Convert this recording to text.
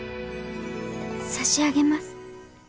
差し上げます。